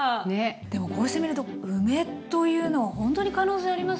でもこうしてみると梅というのはほんとに可能性ありますね。